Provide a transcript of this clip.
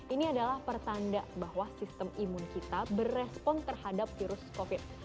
ini adalah pertanda bahwa sistem imun kita berespon terhadap virus covid